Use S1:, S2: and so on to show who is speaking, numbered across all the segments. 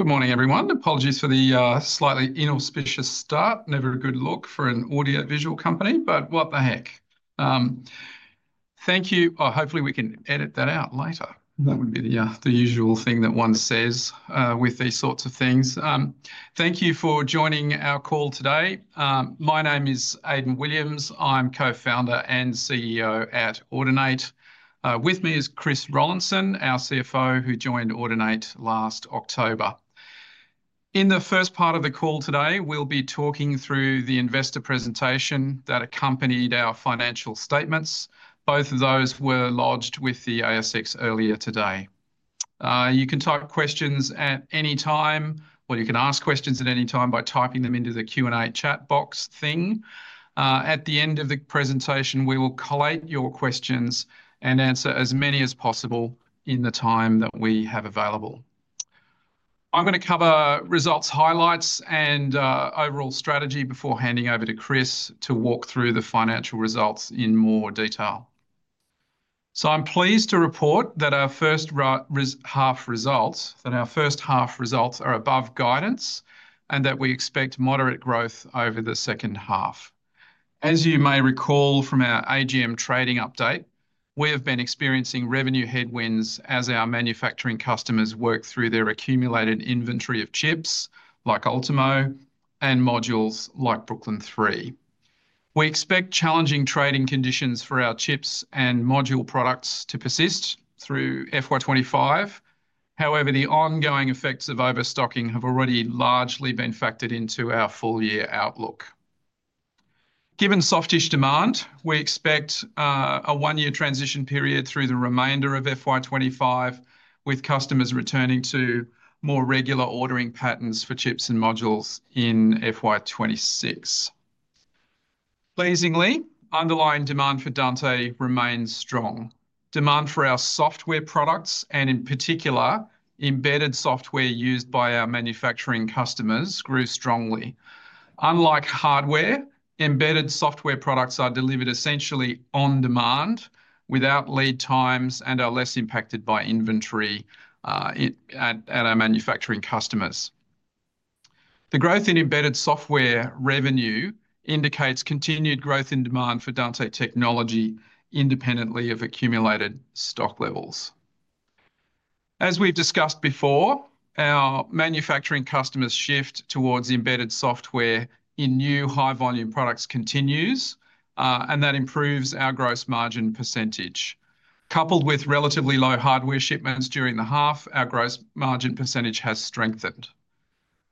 S1: Good morning, everyone. Apologies for the slightly inauspicious start. Never a good look for an audio-visual company, but what the heck. Thank you. Hopefully, we can edit that out later. That would be the usual thing that one says with these sorts of things. Thank you for joining our call today. My name is Aidan Williams. I'm Co-Founder and CEO at Audinate. With me is Chris Rollinson, our CFO, who joined Audinate last October. In the first part of the call today, we'll be talking through the investor presentation that accompanied our financial statements. Both of those were lodged with the ASX earlier today. You can type questions at any time, or you can ask questions at any time by typing them into the Q&A chat box thing. At the end of the presentation, we will collate your questions and answer as many as possible in the time that we have available. I'm going to cover results highlights and overall strategy before handing over to Chris to walk through the financial results in more detail. I am pleased to report that our first half results are above guidance and that we expect moderate growth over the second half. As you may recall from our AGM trading update, we have been experiencing revenue headwinds as our manufacturing customers work through their accumulated inventory of chips like Ultimo and modules like Brooklyn 3. We expect challenging trading conditions for our chips and module products to persist through FY25. However, the ongoing effects of overstocking have already largely been factored into our full-year outlook. Given soft-ish demand, we expect a one-year transition period through the remainder of FY25, with customers returning to more regular ordering patterns for chips and modules in FY26. Pleasingly, underlying demand for Dante remains strong. Demand for our software products, and in particular, embedded software used by our manufacturing customers, grew strongly. Unlike hardware, embedded software products are delivered essentially on demand, without lead times, and are less impacted by inventory at our manufacturing customers. The growth in embedded software revenue indicates continued growth in demand for Dante technology, independently of accumulated stock levels. As we've discussed before, our manufacturing customers' shift towards embedded software in new high-volume products continues, and that improves our gross margin percentage. Coupled with relatively low hardware shipments during the half, our gross margin percentage has strengthened.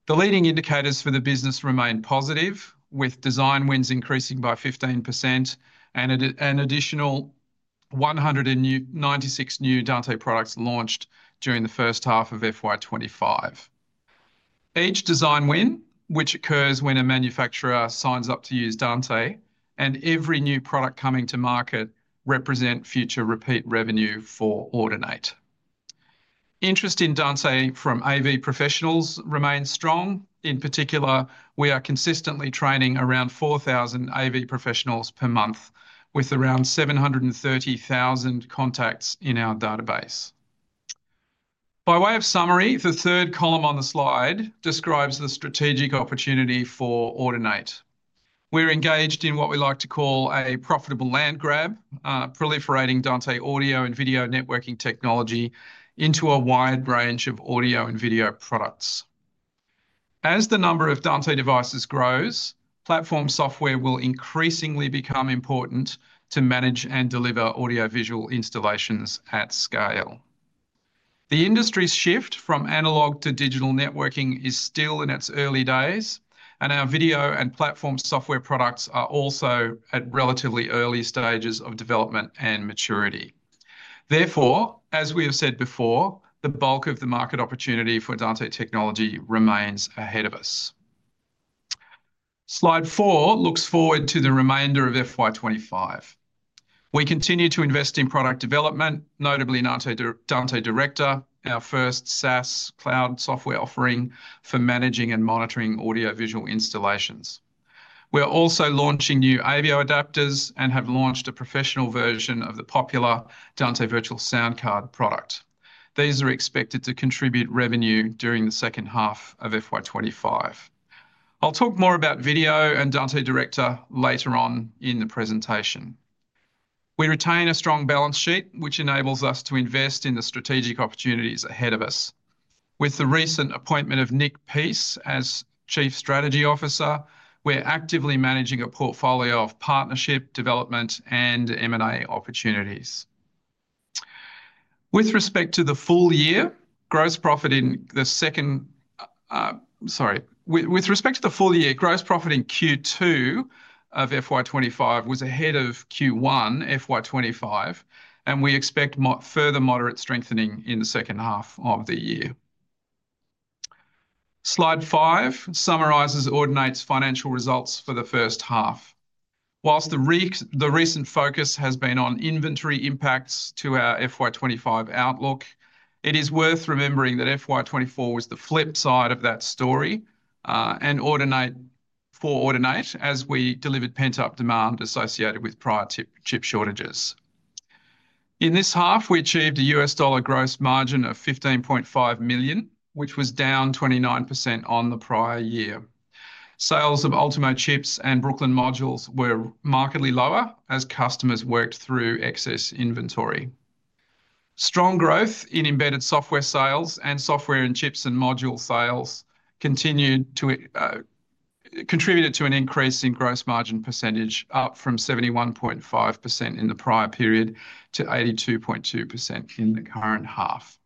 S1: The leading indicators for the business remain positive, with design wins increasing by 15% and an additional 196 new Dante products launched during the first half of FY25. Each design win, which occurs when a manufacturer signs up to use Dante, and every new product coming to market represents future repeat revenue for Audinate. Interest in Dante from AV professionals remains strong. In particular, we are consistently training around 4,000 AV professionals per month, with around 730,000 contacts in our database. By way of summary, the third column on the slide describes the strategic opportunity for Audinate. We're engaged in what we like to call a profitable land grab, proliferating Dante audio and video networking technology into a wide range of audio and video products. As the number of Dante devices grows, platform software will increasingly become important to manage and deliver audio-visual installations at scale. The industry's shift from analog to digital networking is still in its early days, and our video and platform software products are also at relatively early stages of development and maturity. Therefore, as we have said before, the bulk of the market opportunity for Dante technology remains ahead of us. Slide four looks forward to the remainder of FY25. We continue to invest in product development, notably Dante Director, our first SaaS cloud software offering for managing and monitoring audio-visual installations. We're also launching new AVIO adapters and have launched a professional version of the popular Dante Virtual Soundcard product. These are expected to contribute revenue during the second half of FY25. I'll talk more about video and Dante Director later on in the presentation. We retain a strong balance sheet, which enables us to invest in the strategic opportunities ahead of us. With the recent appointment of Nick Peace as Chief Strategy Officer, we're actively managing a portfolio of partnership, development, and M&A opportunities. With respect to the full year, gross profit in the second, sorry, with respect to the full year, gross profit in Q2 of FY25 was ahead of Q1 FY25, and we expect further moderate strengthening in the second half of the year. Slide five summarizes Audinate's financial results for the first half. Whilst the recent focus has been on inventory impacts to our FY25 outlook, it is worth remembering that FY24 was the flip side of that story and for Audinate as we delivered pent-up demand associated with prior chip shortages. In this half, we achieved a U.S. dollar gross margin of $15.5 million, which was down 29% on the prior year. Sales of Ultimo chips and Brooklyn modules were markedly lower as customers worked through excess inventory. Strong growth in embedded software sales and software in chips and module sales contributed to an increase in gross margin percentage, up from 71.5% in the prior period to 82.2% in the current half.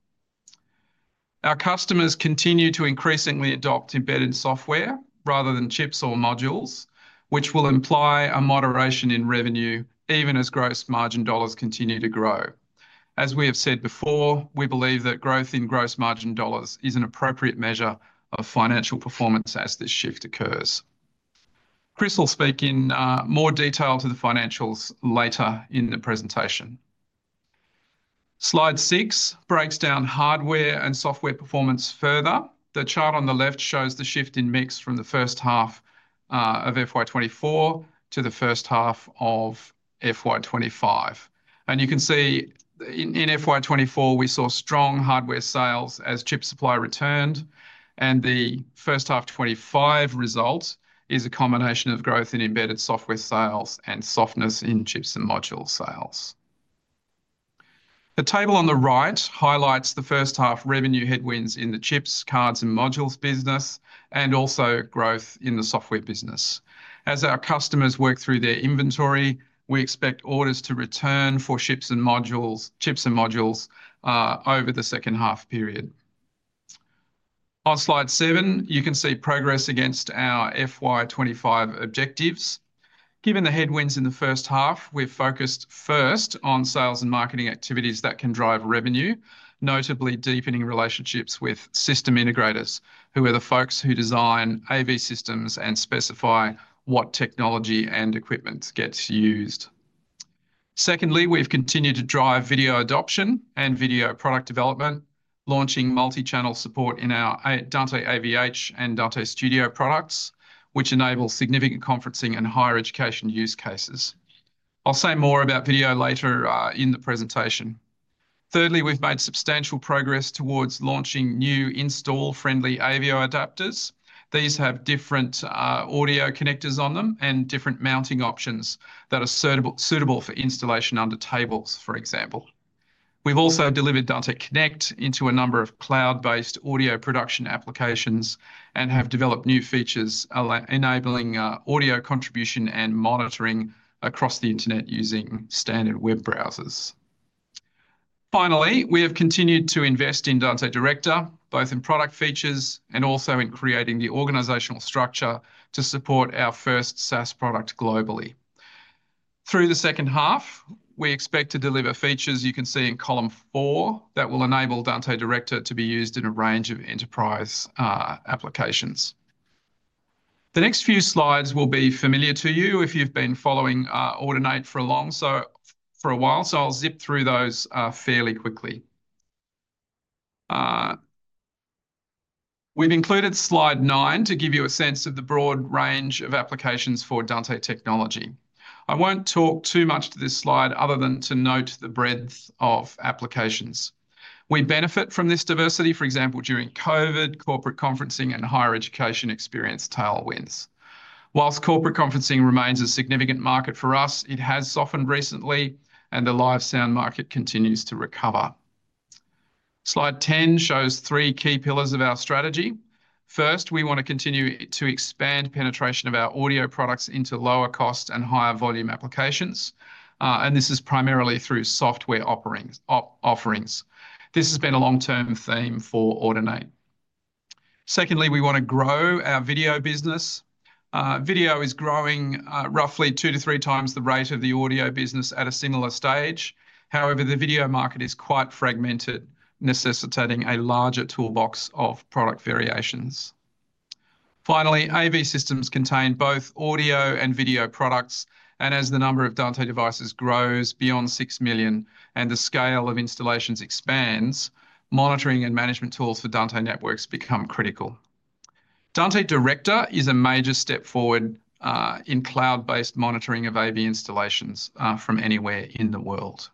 S1: Our customers continue to increasingly adopt embedded software rather than chips or modules, which will imply a moderation in revenue even as gross margin dollars continue to grow. As we have said before, we believe that growth in gross margin dollars is an appropriate measure of financial performance as this shift occurs. Chris will speak in more detail to the financials later in the presentation. Slide six breaks down hardware and software performance further. The chart on the left shows the shift in mix from the first half of FY24 to the first half of FY25. You can see in FY24, we saw strong hardware sales as chip supply returned, and the first half 2025 result is a combination of growth in embedded software sales and softness in chips and module sales. The table on the right highlights the first half revenue headwinds in the chips, cards, and modules business, and also growth in the software business. As our customers work through their inventory, we expect orders to return for chips and modules over the second half period. On slide seven, you can see progress against our FY25 objectives. Given the headwinds in the first half, we've focused first on sales and marketing activities that can drive revenue, notably deepening relationships with system integrators, who are the folks who design AV systems and specify what technology and equipment gets used. Secondly, we've continued to drive video adoption and video product development, launching multi-channel support in our Dante AV-H and Dante Studio products, which enable significant conferencing and higher education use cases. I'll say more about video later in the presentation. Thirdly, we've made substantial progress towards launching new install-friendly AVIO adapters. These have different audio connectors on them and different mounting options that are suitable for installation under tables, for example. We've also delivered Dante Connect into a number of cloud-based audio production applications and have developed new features enabling audio contribution and monitoring across the internet using standard web browsers. Finally, we have continued to invest in Dante Director, both in product features and also in creating the organizational structure to support our first SaaS product globally. Through the second half, we expect to deliver features you can see in column four that will enable Dante Director to be used in a range of enterprise applications. The next few slides will be familiar to you if you've been following Audinate for a while, so I'll zip through those fairly quickly. We've included slide nine to give you a sense of the broad range of applications for Dante technology. I won't talk too much to this slide other than to note the breadth of applications. We benefit from this diversity, for example, during COVID, corporate conferencing, and higher education experience tailwinds. Whilst corporate conferencing remains a significant market for us, it has softened recently, and the live sound market continues to recover. Slide 10 shows three key pillars of our strategy. First, we want to continue to expand penetration of our audio products into lower-cost and higher-volume applications, and this is primarily through software offerings. This has been a long-term theme for Audinate. Secondly, we want to grow our video business. Video is growing roughly two to three times the rate of the audio business at a similar stage. However, the video market is quite fragmented, necessitating a larger toolbox of product variations. Finally, AV systems contain both audio and video products, and as the number of Dante devices grows beyond 6 million and the scale of installations expands, monitoring and management tools for Dante networks become critical. Dante Director is a major step forward in cloud-based monitoring of AV installations from anywhere in the world.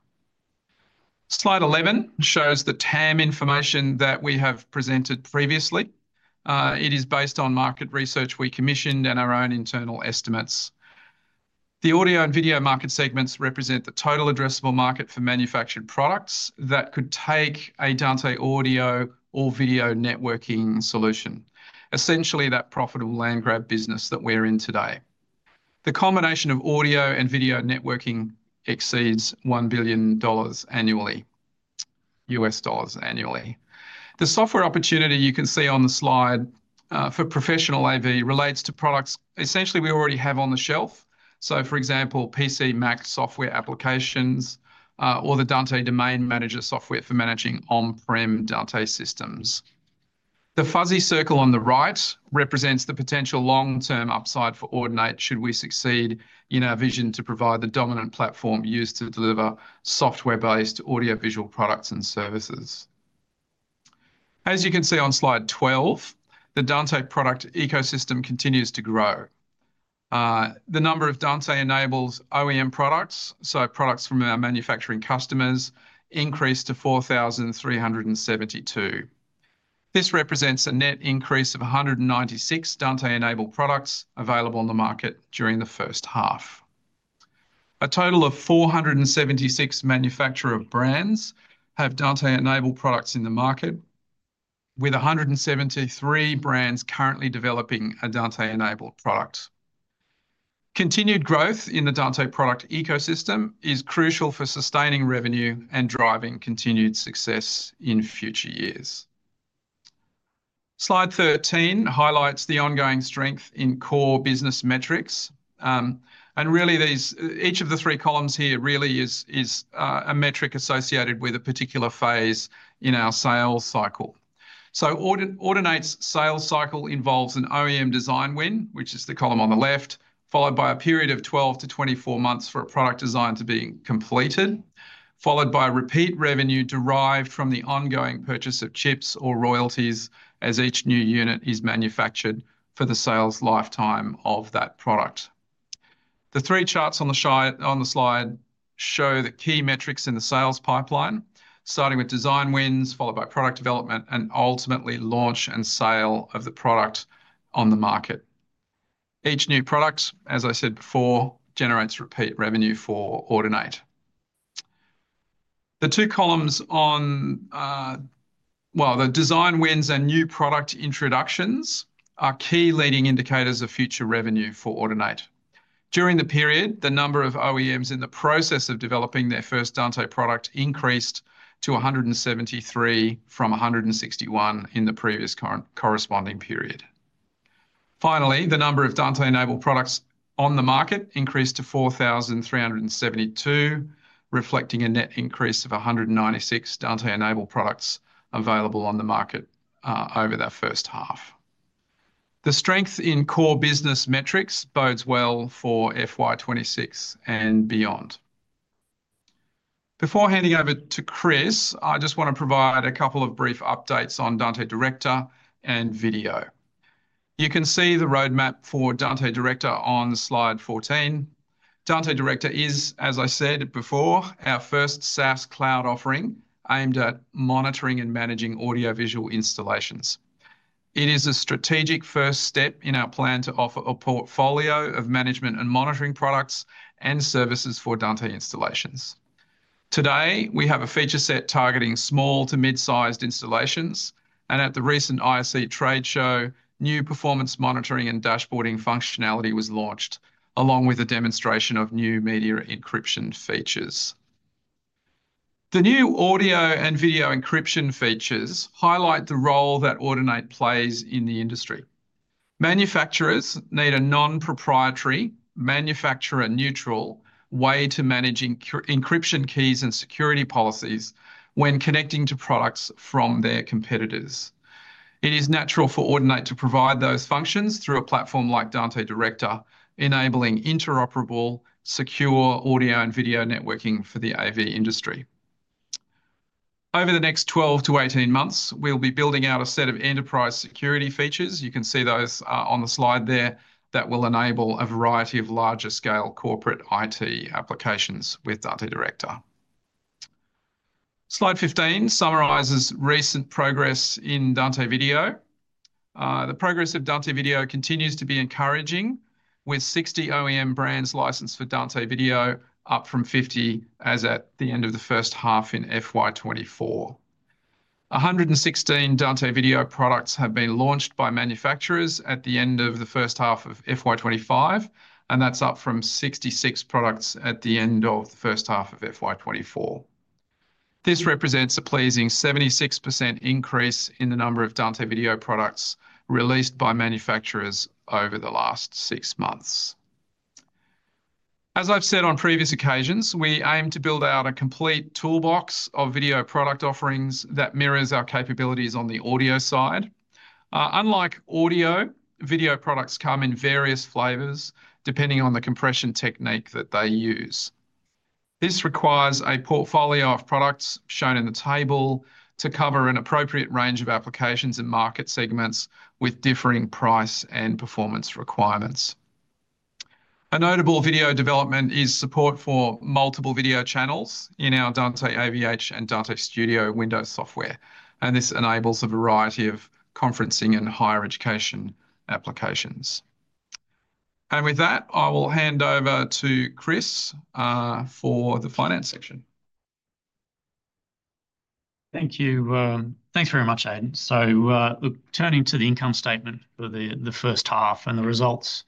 S1: Slide 11 shows the TAM information that we have presented previously. It is based on market research we commissioned and our own internal estimates. The audio and video market segments represent the total addressable market for manufactured products that could take a Dante audio or video networking solution, essentially that profitable land grab business that we're in today. The combination of audio and video networking exceeds $1 billion annually, U.S. dollars annually. The software opportunity you can see on the slide for professional AV relates to products essentially we already have on the shelf. For example, PC Mac software applications or the Dante Domain Manager software for managing on-prem Dante systems. The fuzzy circle on the right represents the potential long-term upside for Audinate should we succeed in our vision to provide the dominant platform used to deliver software-based audio-visual products and services. As you can see on slide 12, the Dante product ecosystem continues to grow. The number of Dante-enabled OEM products, so products from our manufacturing customers, increased to 4,372. This represents a net increase of 196 Dante-enabled products available on the market during the first half. A total of 476 manufacturer brands have Dante-enabled products in the market, with 173 brands currently developing a Dante-enabled product. Continued growth in the Dante product ecosystem is crucial for sustaining revenue and driving continued success in future years. Slide 13 highlights the ongoing strength in core business metrics. Each of the three columns here really is a metric associated with a particular phase in our sales cycle. Audinate's sales cycle involves an OEM design win, which is the column on the left, followed by a period of 12-24 months for a product design to be completed, followed by repeat revenue derived from the ongoing purchase of chips or royalties as each new unit is manufactured for the sales lifetime of that product. The three charts on the slide show the key metrics in the sales pipeline, starting with design wins, followed by product development, and ultimately launch and sale of the product on the market. Each new product, as I said before, generates repeat revenue for Audinate. The two columns on, well, the design wins and new product introductions are key leading indicators of future revenue for Audinate. During the period, the number of OEMs in the process of developing their first Dante product increased to 173 from 161 in the previous corresponding period. Finally, the number of Dante-enabled products on the market increased to 4,372, reflecting a net increase of 196 Dante-enabled products available on the market over that first half. The strength in core business metrics bodes well for FY26 and beyond. Before handing over to Chris, I just want to provide a couple of brief updates on Dante Director and video. You can see the roadmap for Dante Director on slide 14. Dante Director is, as I said before, our first SaaS cloud offering aimed at monitoring and managing audio-visual installations. It is a strategic first step in our plan to offer a portfolio of management and monitoring products and services for Dante installations. Today, we have a feature set targeting small to mid-sized installations, and at the recent ISE tradeshow, new performance monitoring and dashboarding functionality was launched, along with a demonstration of new media encryption features. The new audio and video encryption features highlight the role that Audinate plays in the industry. Manufacturers need a non-proprietary, manufacturer-neutral way to manage encryption keys and security policies when connecting to products from their competitors. It is natural for Audinate to provide those functions through a platform like Dante Director, enabling interoperable, secure audio and video networking for the AV industry. Over the next 12-18 months, we'll be building out a set of enterprise security features. You can see those on the slide there that will enable a variety of larger-scale corporate IT applications with Dante Director. Slide 15 summarizes recent progress in Dante video. The progress of Dante video continues to be encouraging, with 60 OEM brands licensed for Dante video, up from 50 as at the end of the first half in FY24. 116 Dante video products have been launched by manufacturers at the end of the first half of FY25, and that's up from 66 products at the end of the first half of FY24. This represents a pleasing 76% increase in the number of Dante video products released by manufacturers over the last six months. As I've said on previous occasions, we aim to build out a complete toolbox of video product offerings that mirrors our capabilities on the audio side. Unlike audio, video products come in various flavors depending on the compression technique that they use. This requires a portfolio of products shown in the table to cover an appropriate range of applications and market segments with differing price and performance requirements. A notable video development is support for multiple video channels in our Dante AV-H and Dante Studio Windows software, and this enables a variety of conferencing and higher education applications. With that, I will hand over to Chris for the finance section.
S2: Thank you. Thanks very much, Aidan. Turning to the income statement for the first half, the results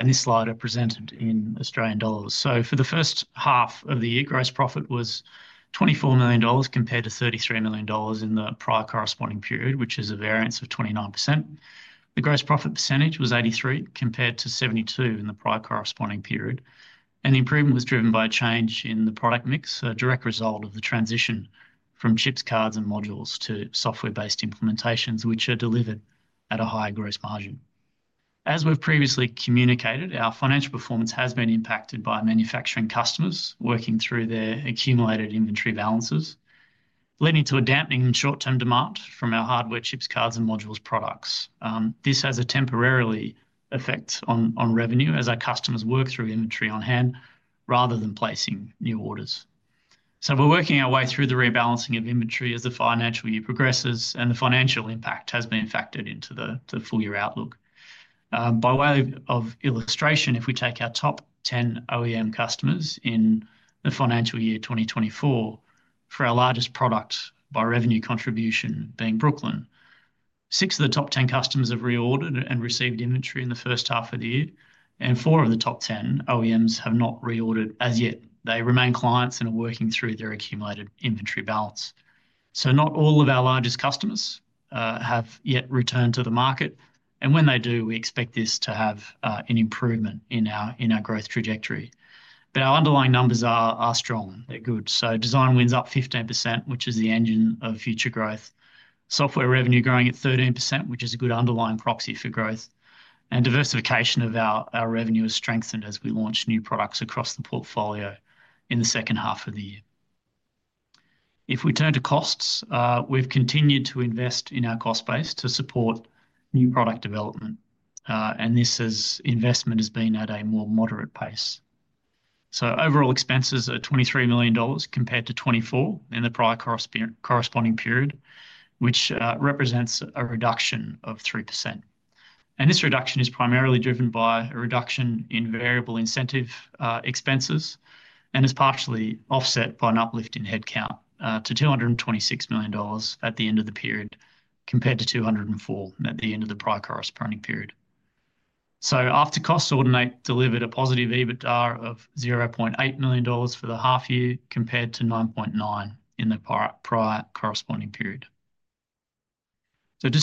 S2: in this slide are presented in AUD. For the first half of the year, gross profit was AUD 24 million compared to AUD 33 million in the prior corresponding period, which is a variance of 29%. The gross profit percentage was 83% compared to 72% in the prior corresponding period. The improvement was driven by a change in the product mix, a direct result of the transition from chips, cards, and modules to software-based implementations, which are delivered at a higher gross margin. As we have previously communicated, our financial performance has been impacted by manufacturing customers working through their accumulated inventory balances, leading to a dampening in short-term demand from our hardware chips, cards, and modules products. This has a temporary effect on revenue as our customers work through inventory on hand rather than placing new orders. We are working our way through the rebalancing of inventory as the financial year progresses, and the financial impact has been factored into the full year outlook. By way of illustration, if we take our top 10 OEM customers in the financial year 2024 for our largest product by revenue contribution being Brooklyn, six of the top 10 customers have reordered and received inventory in the first half of the year, and four of the top 10 OEMs have not reordered as yet. They remain clients and are working through their accumulated inventory balance. Not all of our largest customers have yet returned to the market, and when they do, we expect this to have an improvement in our growth trajectory. Our underlying numbers are strong. They're good. Design wins up 15%, which is the engine of future growth. Software revenue growing at 13%, which is a good underlying proxy for growth. Diversification of our revenue has strengthened as we launch new products across the portfolio in the second half of the year. If we turn to costs, we've continued to invest in our cost base to support new product development, and this investment has been at a more moderate pace. Overall expenses are 23 million dollars compared to 24 million in the prior corresponding period, which represents a reduction of 3%. This reduction is primarily driven by a reduction in variable incentive expenses and is partially offset by an uplift in headcount to $226 million at the end of the period compared to 204 at the end of the prior corresponding period. After costs, Audinate delivered a positive EBITDA of $0.8 million for the half year compared to $9.9 million in the prior corresponding period.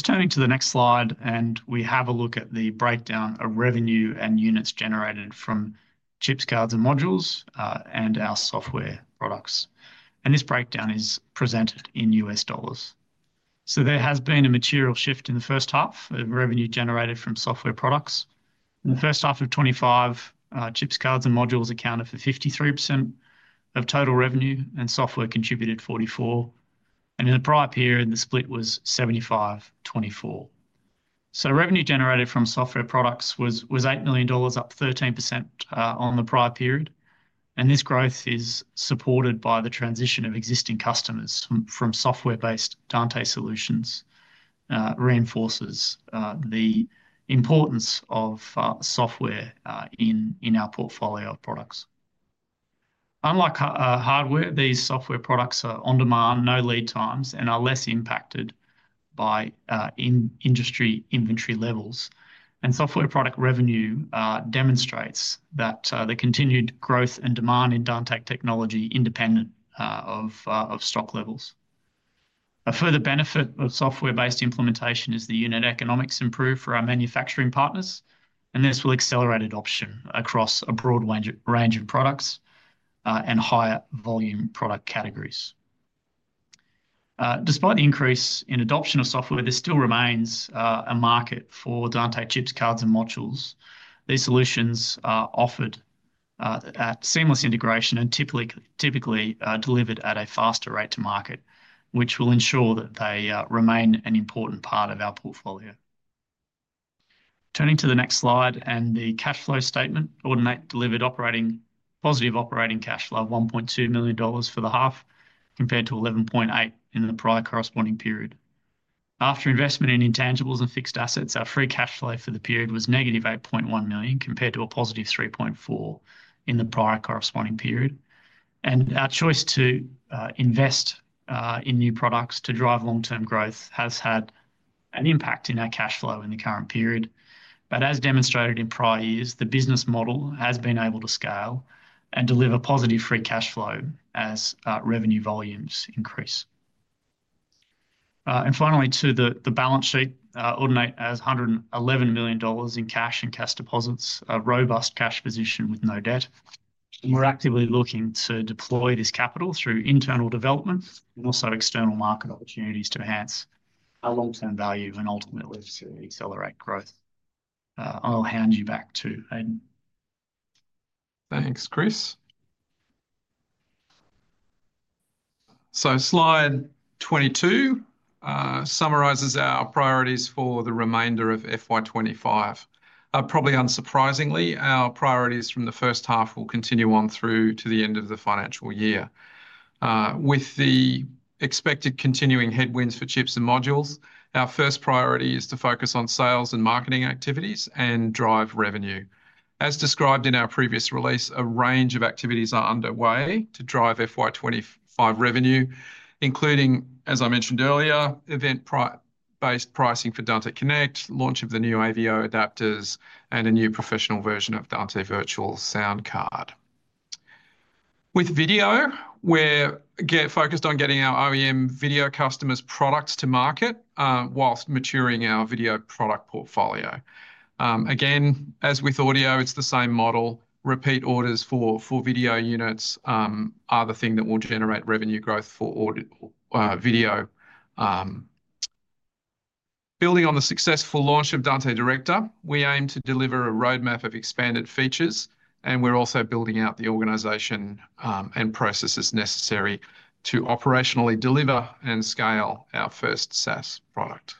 S2: Turning to the next slide, we have a look at the breakdown of revenue and units generated from chips, cards, and modules and our software products. This breakdown is presented in U.S. dollars. There has been a material shift in the first half of revenue generated from software products. In the first half of 2025, chips, cards, and modules accounted for 53% of total revenue, and software contributed 44%. In the prior period, the split was 75% to 24%. Revenue generated from software products was $8 million, up 13% on the prior period. This growth is supported by the transition of existing customers from software-based Dante solutions and reinforces the importance of software in our portfolio of products. Unlike hardware, these software products are on demand, no lead times, and are less impacted by industry inventory levels. Software product revenue demonstrates that the continued growth and demand in Dante technology is independent of stock levels. A further benefit of software-based implementation is the unit economics improved for our manufacturing partners, and this will accelerate adoption across a broad range of products and higher volume product categories. Despite the increase in adoption of software, there still remains a market for Dante chips, cards, and modules. These solutions are offered at seamless integration and typically delivered at a faster rate to market, which will ensure that they remain an important part of our portfolio. Turning to the next slide and the cash flow statement, Audinate delivered positive operating cash flow of 1.2 million dollars for the half compared to 11.8 million in the prior corresponding period. After investment in intangibles and fixed assets, our free cash flow for the period was negative $8.1 million compared to a positive $3.4 million in the prior corresponding period. Our choice to invest in new products to drive long-term growth has had an impact in our cash flow in the current period. As demonstrated in prior years, the business model has been able to scale and deliver positive free cash flow as revenue volumes increase. Finally, to the balance sheet, Audinate has $111 million in cash and cash deposits, a robust cash position with no debt. We're actively looking to deploy this capital through internal development and also external market opportunities to enhance our long-term value and ultimately to accelerate growth. I'll hand you back to Aidan.
S1: Thanks, Chris. Slide 22 summarizes our priorities for the remainder of FY25. Probably unsurprisingly, our priorities from the first half will continue on through to the end of the financial year. With the expected continuing headwinds for chips and modules, our first priority is to focus on sales and marketing activities and drive revenue. As described in our previous release, a range of activities are underway to drive FY25 revenue, including, as I mentioned earlier, event-based pricing for Dante Connect, launch of the new AVIO adapters, and a new professional version of Dante Virtual Soundcard. With video, we're focused on getting our OEM video customers' products to market whilst maturing our video product portfolio. Again, as with audio, it's the same model. Repeat orders for video units are the thing that will generate revenue growth for Audinate video. Building on the successful launch of Dante Director, we aim to deliver a roadmap of expanded features, and we're also building out the organization and processes necessary to operationally deliver and scale our first SaaS product.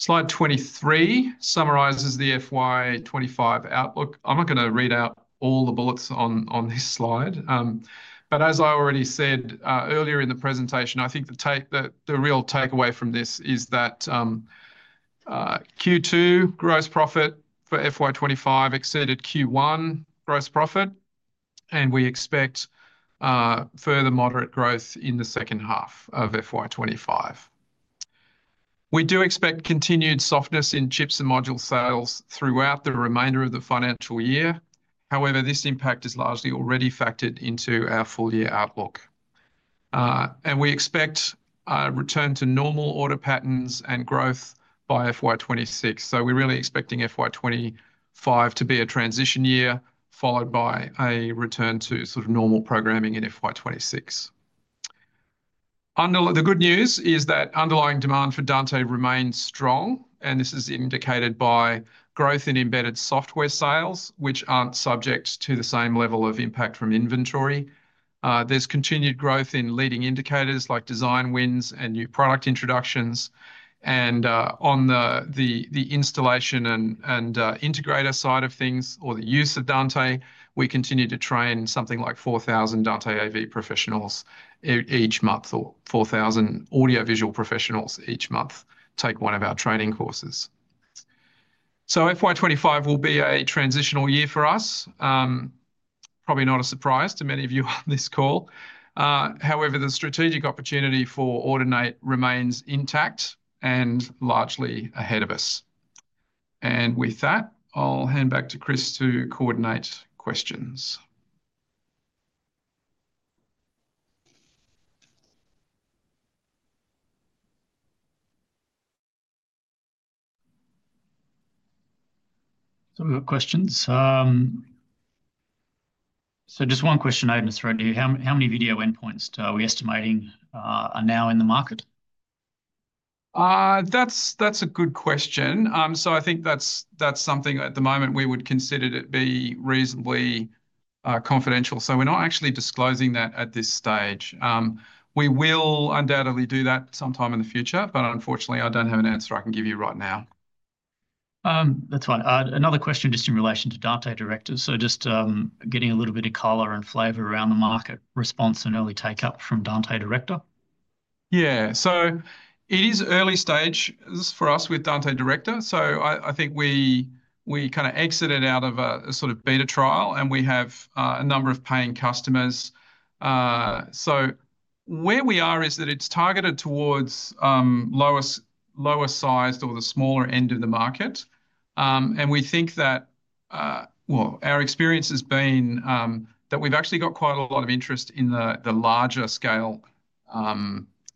S1: Slide 23 summarizes the FY25 outlook. I'm not going to read out all the bullets on this slide. As I already said earlier in the presentation, I think the real takeaway from this is that Q2 gross profit for FY25 exceeded Q1 gross profit, and we expect further moderate growth in the second half of FY25. We do expect continued softness in chips and module sales throughout the remainder of the financial year. However, this impact is largely already factored into our full year outlook. We expect a return to normal order patterns and growth by FY26. We are really expecting FY25 to be a transition year followed by a return to sort of normal programming in FY26. The good news is that underlying demand for Dante remains strong, and this is indicated by growth in embedded software sales, which are not subject to the same level of impact from inventory. There is continued growth in leading indicators like design wins and new product introductions. On the installation and integrator side of things or the use of Dante, we continue to train something like 4,000 Dante AV professionals each month or 4,000 audio-visual professionals each month take one of our training courses. FY25 will be a transitional year for us, probably not a surprise to many of you on this call. However, the strategic opportunity for Audinate remains intact and largely ahead of us. With that, I will hand back to Chris to coordinate questions.
S2: We have questions. Just one question, Aidan's threatened you. How many video endpoints are we estimating are now in the market?
S1: That's a good question. I think that's something at the moment we would consider to be reasonably confidential. We're not actually disclosing that at this stage. We will undoubtedly do that sometime in the future, but unfortunately, I don't have an answer I can give you right now.
S2: That's fine. Another question just in relation to Dante Director. Just getting a little bit of color and flavor around the market response and early take-up from Dante Director.
S1: Yeah. It is early stage for us with Dante Director. I think we kind of exited out of a sort of beta trial, and we have a number of paying customers. Where we are is that it's targeted towards lower sized or the smaller end of the market. And we think that, well, our experience has been that we've actually got quite a lot of interest in the larger scale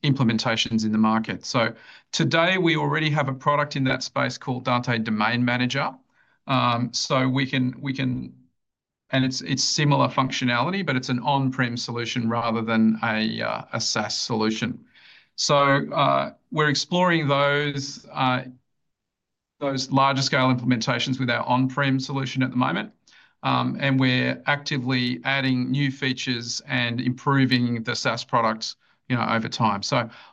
S1: implementations in the market. Today, we already have a product in that space called Dante Domain Manager. We can, and it's similar functionality, but it's an on-prem solution rather than a SaaS solution. We are exploring those larger scale implementations with our on-prem solution at the moment. We are actively adding new features and improving the SaaS products over time.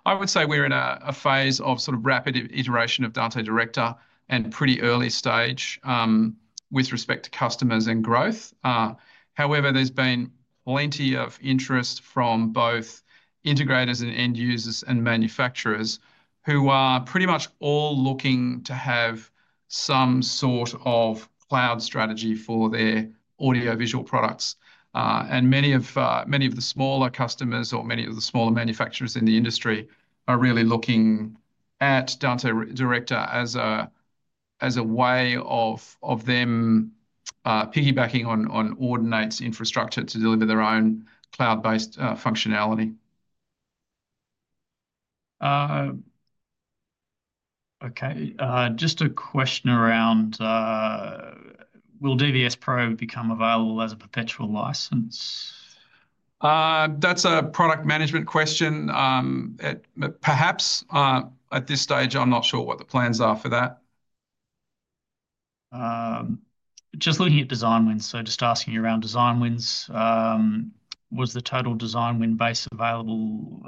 S1: I would say we're in a phase of sort of rapid iteration of Dante Director and pretty early stage with respect to customers and growth. However, there's been plenty of interest from both integrators and end users and manufacturers who are pretty much all looking to have some sort of cloud strategy for their audio-visual products. Many of the smaller customers or many of the smaller manufacturers in the industry are really looking at Dante Director as a way of them piggybacking on Audinate's infrastructure to deliver their own cloud-based functionality.
S2: Okay. Just a question around, will DBS Pro become available as a perpetual license?
S1: That's a product management question. Perhaps. At this stage, I'm not sure what the plans are for that.
S2: Just looking at design wins. Just asking you around design wins. Was the total design win base available?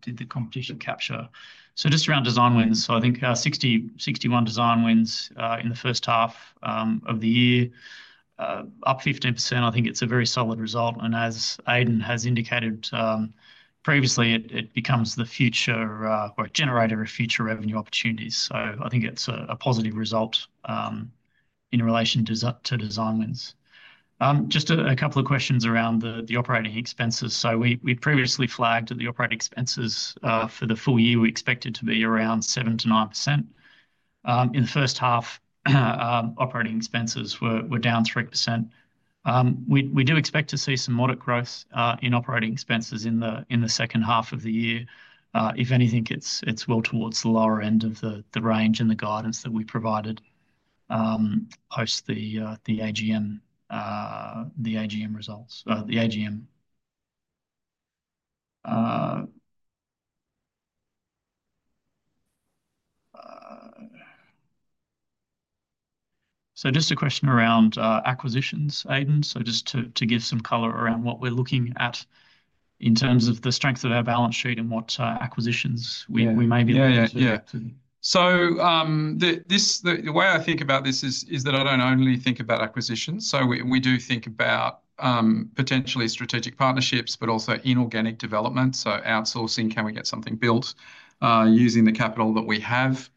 S2: Did the competition capture? Just around design wins. I think 61 design wins in the first half of the year, up 15%. I think it's a very solid result. As Aidan has indicated previously, it becomes the future or generator of future revenue opportunities. I think it's a positive result in relation to design wins. Just a couple of questions around the operating expenses. We previously flagged that the operating expenses for the full year were expected to be around 7%-9%. In the first half, operating expenses were down 3%. We do expect to see some moderate growth in operating expenses in the second half of the year. If anything, it's well towards the lower end of the range and the guidance that we provided post the AGM results. Just a question around acquisitions, Aidan. Just to give some color around what we're looking at in terms of the strength of our balance sheet and what acquisitions we may be looking to.
S1: Yeah. The way I think about this is that I don't only think about acquisitions. We do think about potentially strategic partnerships, but also inorganic development. Outsourcing, can we get something built using the capital that we have?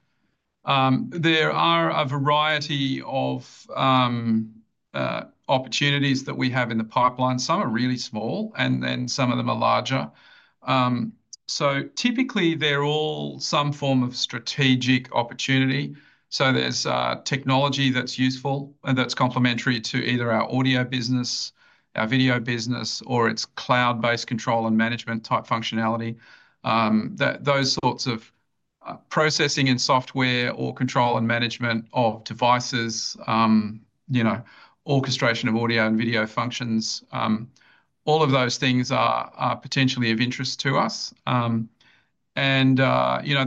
S1: There are a variety of opportunities that we have in the pipeline. Some are really small, and then some of them are larger. Typically, they're all some form of strategic opportunity. There's technology that's useful and that's complementary to either our audio business, our video business, or it's cloud-based control and management type functionality. Those sorts of processing and software or control and management of devices, orchestration of audio and video functions, all of those things are potentially of interest to us. The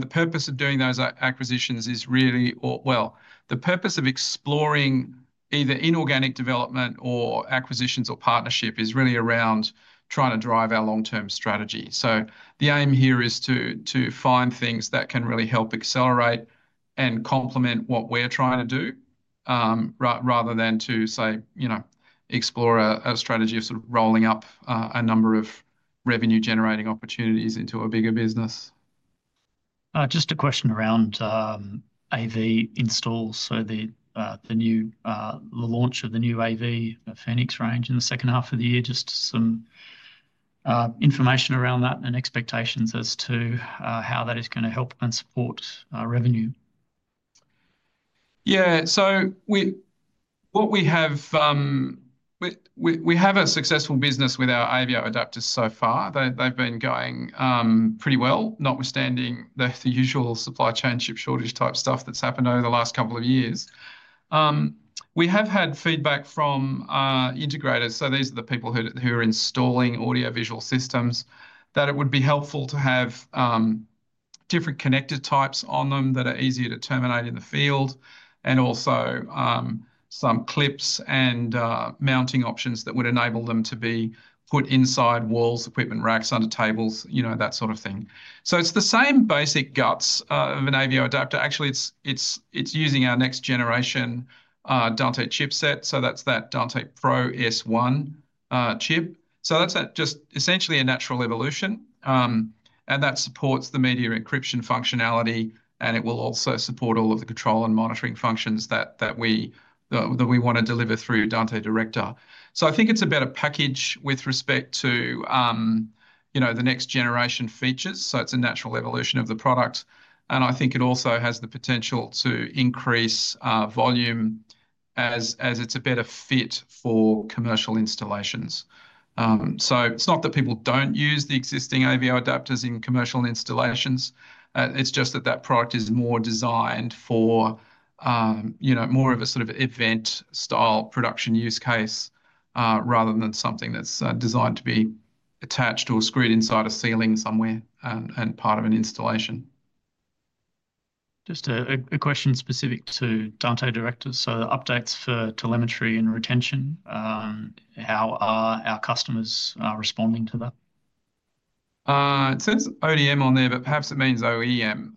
S1: purpose of doing those acquisitions is really, the purpose of exploring either inorganic development or acquisitions or partnership is really around trying to drive our long-term strategy. The aim here is to find things that can really help accelerate and complement what we're trying to do rather than to, say, explore a strategy of sort of rolling up a number of revenue-generating opportunities into a bigger business.
S2: Just a question around AV installs. The launch of the new AV, the Phoenix range, in the second half of the year, just some information around that and expectations as to how that is going to help and support revenue.
S1: Yeah. What we have, we have a successful business with our AVIO adapters so far. They've been going pretty well, notwithstanding the usual supply chain ship shortage type stuff that's happened over the last couple of years. We have had feedback from integrators, so these are the people who are installing audio-visual systems, that it would be helpful to have different connector types on them that are easier to terminate in the field, and also some clips and mounting options that would enable them to be put inside walls, equipment racks, under tables, that sort of thing. It is the same basic guts of an AVIO adapter. Actually, it is using our next generation Dante chipset. That is that Dante Pro S1 chip. That is just essentially a natural evolution. That supports the media encryption functionality, and it will also support all of the control and monitoring functions that we want to deliver through Dante Director. I think it is a better package with respect to the next generation features. It is a natural evolution of the product. I think it also has the potential to increase volume as it's a better fit for commercial installations. It's not that people don't use the existing AVIO adapters in commercial installations. It's just that that product is more designed for more of a sort of event-style production use case rather than something that's designed to be attached or screwed inside a ceiling somewhere and part of an installation.
S2: Just a question specific to Dante Director. Updates for telemetry and retention, how are our customers responding to that?
S1: It says ODM on there, but perhaps it means OEM.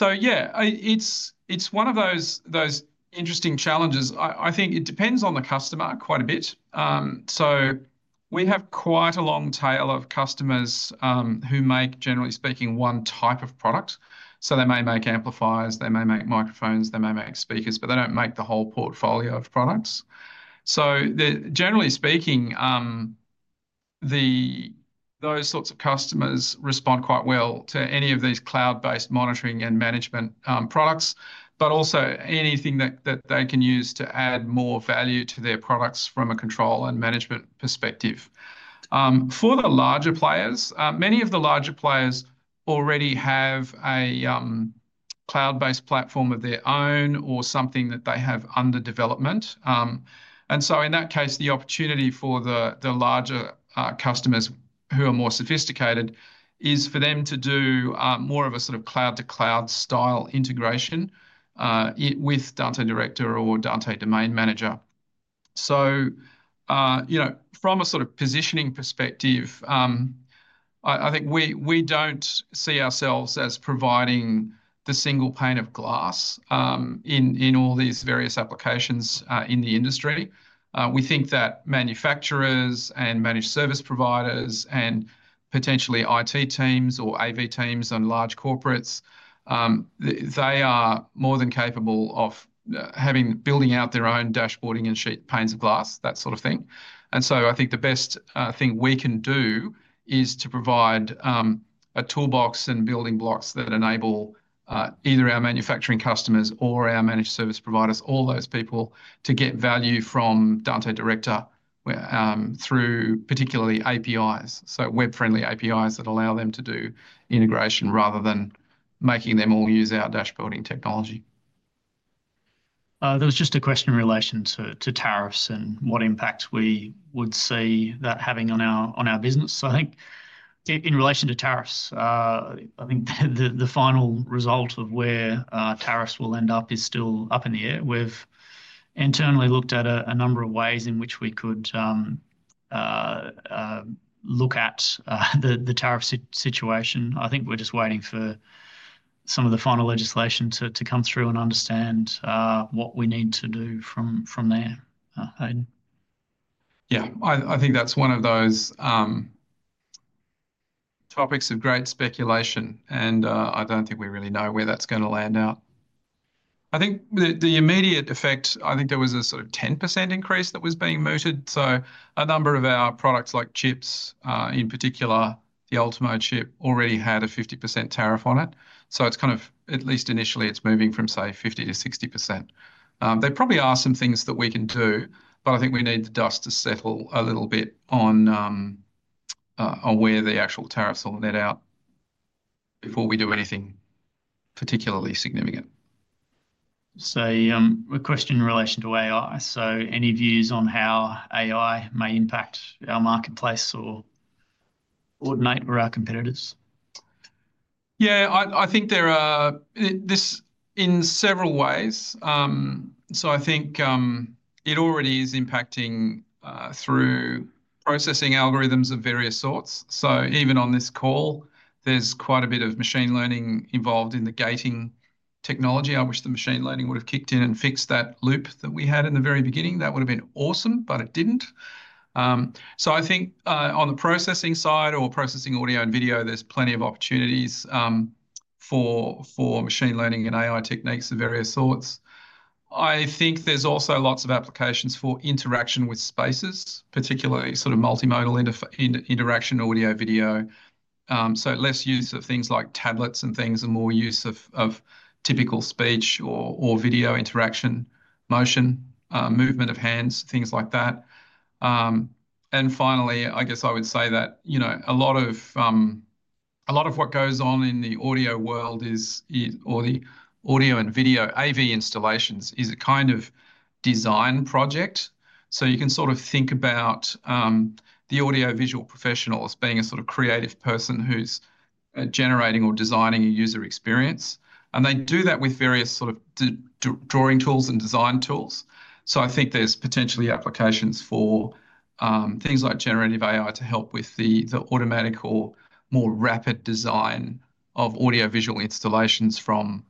S1: Yeah, it's one of those interesting challenges. I think it depends on the customer quite a bit. We have quite a long tail of customers who make, generally speaking, one type of product. They may make amplifiers, they may make microphones, they may make speakers, but they do not make the whole portfolio of products. Generally speaking, those sorts of customers respond quite well to any of these cloud-based monitoring and management products, but also anything that they can use to add more value to their products from a control and management perspective. For the larger players, many of the larger players already have a cloud-based platform of their own or something that they have under development. In that case, the opportunity for the larger customers who are more sophisticated is for them to do more of a sort of cloud-to-cloud style integration with Dante Director or Dante Domain Manager. From a sort of positioning perspective, I think we do not see ourselves as providing the single pane of glass in all these various applications in the industry. We think that manufacturers and managed service providers and potentially IT teams or AV teams and large corporates, they are more than capable of building out their own dashboarding and sheet panes of glass, that sort of thing. I think the best thing we can do is to provide a toolbox and building blocks that enable either our manufacturing customers or our managed service providers, all those people, to get value from Dante Director through particularly APIs, so web-friendly APIs that allow them to do integration rather than making them all use our dashboarding technology.
S2: There was just a question in relation to tariffs and what impact we would see that having on our business. I think in relation to tariffs, I think the final result of where tariffs will end up is still up in the air. We've internally looked at a number of ways in which we could look at the tariff situation. I think we're just waiting for some of the final legislation to come through and understand what we need to do from there, Aidan.
S1: Yeah. I think that's one of those topics of great speculation, and I don't think we really know where that's going to land out. I think the immediate effect, I think there was a sort of 10% increase that was being mooted. A number of our products, like chips in particular, the Ultimo chip, already had a 50% tariff on it. It's kind of, at least initially, it's moving from, say, 50% to 60%. They probably are some things that we can do, but I think we need the dust to settle a little bit on where the actual tariffs will net out before we do anything particularly significant.
S2: A question in relation to AI. Any views on how AI may impact our marketplace or Audinate or our competitors?
S1: Yeah. I think there are this in several ways. I think it already is impacting through processing algorithms of various sorts. Even on this call, there's quite a bit of machine learning involved in the gating technology. I wish the machine learning would have kicked in and fixed that loop that we had in the very beginning. That would have been awesome, but it didn't. I think on the processing side or processing audio and video, there's plenty of opportunities for machine learning and AI techniques of various sorts. I think there's also lots of applications for interaction with spaces, particularly sort of multimodal interaction audio-video. Less use of things like tablets and things and more use of typical speech or video interaction, motion, movement of hands, things like that. Finally, I guess I would say that a lot of what goes on in the audio world is or the audio and video AV installations is a kind of design project. You can sort of think about the audio-visual professional as being a sort of creative person who's generating or designing a user experience. They do that with various sort of drawing tools and design tools. I think there's potentially applications for things like generative AI to help with the automatic or more rapid design of audio-visual installations from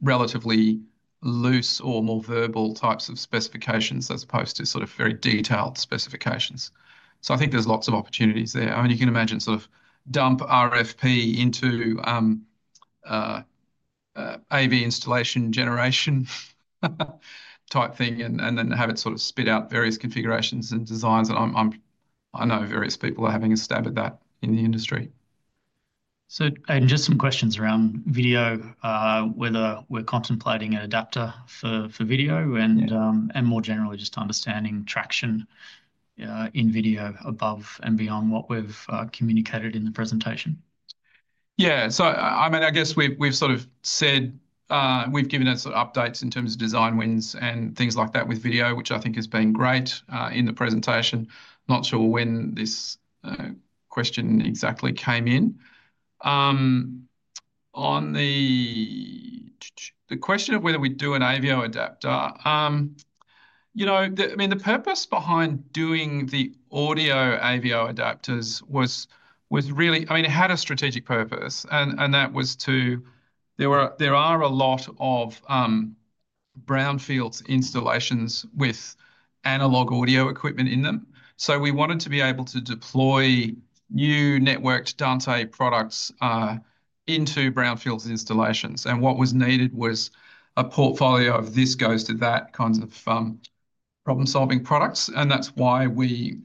S1: relatively loose or more verbal types of specifications as opposed to sort of very detailed specifications. I think there's lots of opportunities there. I mean, you can imagine sort of dump RFP into AV installation generation type thing and then have it sort of spit out various configurations and designs. I know various people are having a stab at that in the industry.
S2: Just some questions around video, whether we're contemplating an adapter for video and more generally just understanding traction in video above and beyond what we've communicated in the presentation.
S1: Yeah. I mean, I guess we've sort of said we've given us updates in terms of design wins and things like that with video, which I think has been great in the presentation. Not sure when this question exactly came in. On the question of whether we do an AVIO adapter, I mean, the purpose behind doing the audio AVIO adapters was really, I mean, it had a strategic purpose, and that was to there are a lot of brownfields installations with analog audio equipment in them. We wanted to be able to deploy new networked Dante products into brownfields installations. What was needed was a portfolio of this goes to that kinds of problem-solving products. That's why we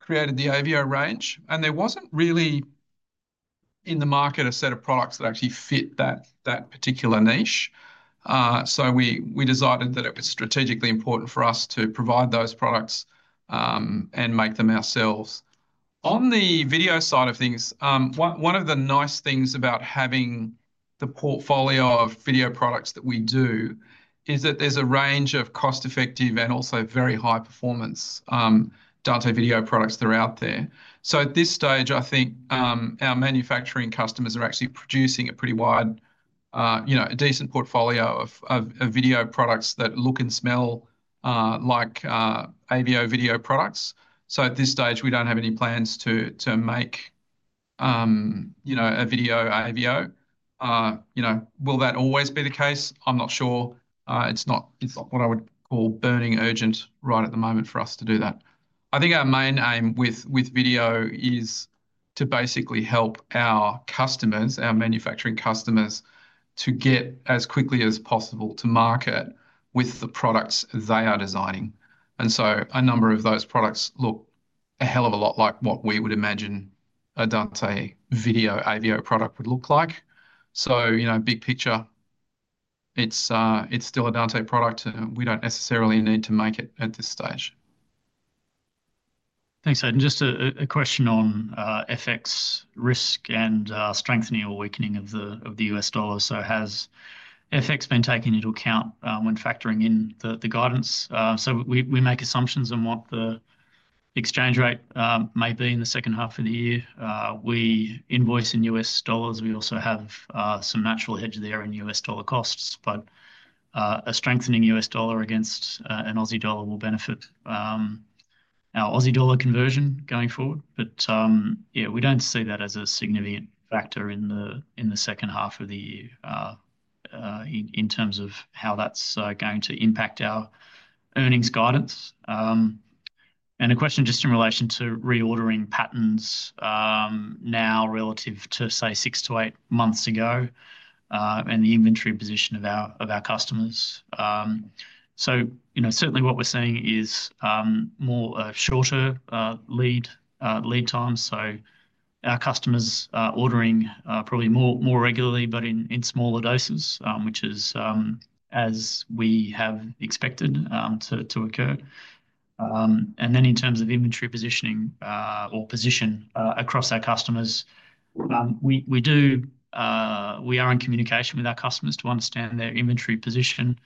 S1: created the AVIO range. There wasn't really in the market a set of products that actually fit that particular niche. We decided that it was strategically important for us to provide those products and make them ourselves. On the video side of things, one of the nice things about having the portfolio of video products that we do is that there is a range of cost-effective and also very high-performance Dante video products that are out there. At this stage, I think our manufacturing customers are actually producing a pretty wide, a decent portfolio of video products that look and smell like AVIO video products. At this stage, we do not have any plans to make a video AVIO. Will that always be the case? I am not sure. It is not what I would call burning urgent right at the moment for us to do that. I think our main aim with video is to basically help our customers, our manufacturing customers, to get as quickly as possible to market with the products they are designing. A number of those products look a hell of a lot like what we would imagine a Dante video AVIO product would look like. Big picture, it's still a Dante product, and we don't necessarily need to make it at this stage.
S2: Thanks, Aidan. Just a question on FX risk and strengthening or weakening of the U.S. dollar. Has FX been taken into account when factoring in the guidance? We make assumptions on what the exchange rate may be in the second half of the year. We invoice in U.S. dollars. We also have some natural hedge there in U.S. dollar costs. A strengthening U.S. dollar against an Aussie dollar will benefit our Aussie dollar conversion going forward. Yeah, we do not see that as a significant factor in the second half of the year in terms of how that is going to impact our earnings guidance. A question just in relation to reordering patterns now relative to, say, six to eight months ago and the inventory position of our customers. Certainly what we are seeing is more shorter lead times. Our customers are ordering probably more regularly, but in smaller doses, which is as we have expected to occur. In terms of inventory positioning or position across our customers, we are in communication with our customers to understand their inventory position,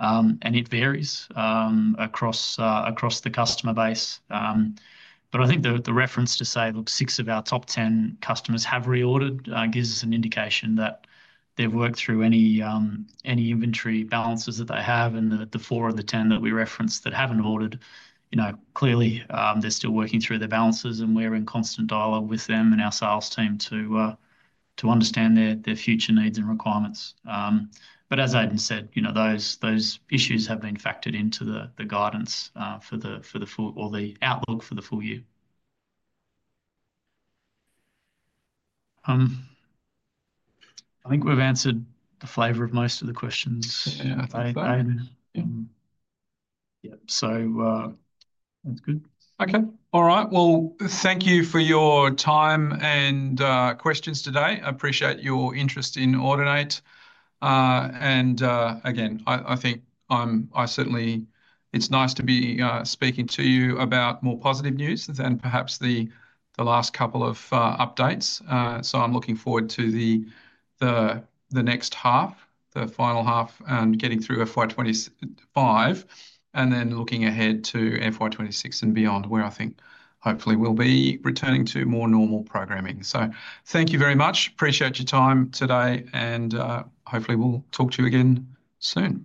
S2: and it varies across the customer base. I think the reference to say, "Look, six of our top 10 customers have reordered," gives us an indication that they've worked through any inventory balances that they have. The four of the 10 that we referenced that haven't ordered, clearly, they're still working through their balances. We're in constant dialogue with them and our sales team to understand their future needs and requirements. As Aidan said, those issues have been factored into the guidance for the outlook for the full year. I think we've answered the flavor of most of the questions. Yeah. I think so. Yeah. That's good.
S1: Okay. All right. Thank you for your time and questions today. I appreciate your interest in Audinate. Again, I think it's nice to be speaking to you about more positive news than perhaps the last couple of updates. I'm looking forward to the next half, the final half, and getting through FY25, and then looking ahead to FY26 and beyond, where I think hopefully we'll be returning to more normal programming. Thank you very much. Appreciate your time today. Hopefully, we'll talk to you again soon.